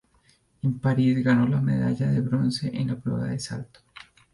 En París, ganó la medalla de bronce en la prueba de salto.